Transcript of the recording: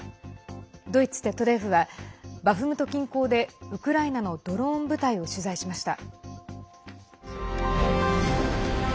ドイツＺＤＦはバフムト近郊でウクライナのドローン部隊を取材しました。